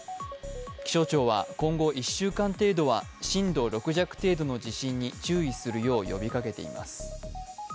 気象庁は、今後１週間程度は震度６弱程度の地震に注意するよう呼びかけています。